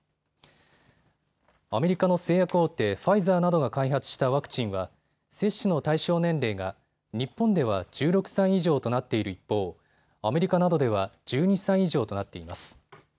アメリカの製薬大手、ファイザーなどが開発したワクチンは接種の対象年齢が日本では１６歳以上となっている一方、アメリカなどでは１２歳以上となっています。